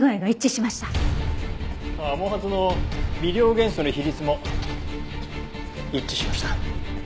毛髪の微量元素の比率も一致しました。